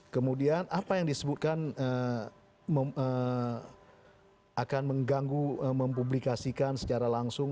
kemudian apa yang disebutkan akan mengganggu mempublikasikan secara langsung